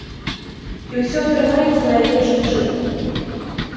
І ўсё атрымаецца найлепшым чынам!